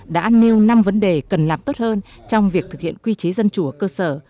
đã nêu năm vấn đề cần làm tốt hơn trong việc thực hiện quy chế dân chủ ở cơ sở